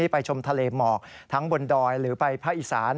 ไปชมทะเลหมอกทั้งบนดอยหรือไปภาคอีสาน